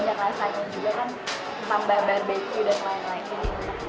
banyak rasa ayam juga kan tambah barbecue dan lain lain